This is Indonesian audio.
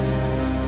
sudah belasan tahun